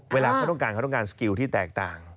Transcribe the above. เวลาเขาต้องการเขาต้องการสกิลที่แตกต่าง